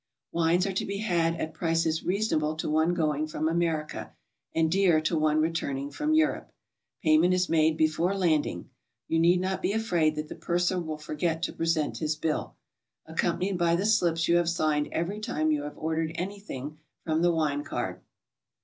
Wines are to be had at prices reasonable to one going from America, and dear to one returnin g from Europe. Pay ment is made before landing; you need not be afraid that the purser will forget to present his bill, accompanied by the slips you have signed every time you have ordered anything from the wine card.